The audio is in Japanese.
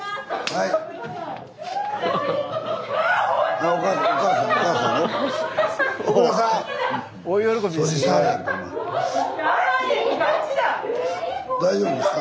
はい大丈夫です。